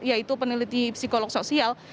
yaitu peneliti psikolog sosial